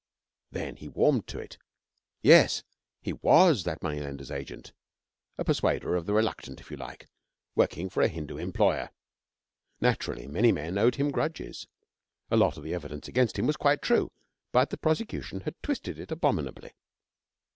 Then he warmed to it. Yes, he was that money lender's agent a persuader of the reluctant, if you like working for a Hindu employer. Naturally, many men owed him grudges. A lot of the evidence against him was quite true, but the prosecution had twisted it abominably.